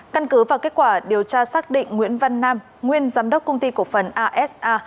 căn cứ vào kết quả điều tra xác định nguyễn văn nam nguyên giám đốc công ty cổ phần asa